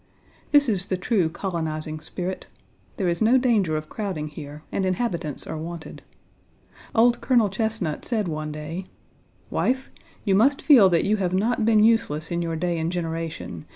This is the true colonizing spirit. There is no danger of crowding here and inhabitants are wanted. Old Colonel Chesnut 1 said one day: "Wife, you must feel that you have not been useless in your day and generation.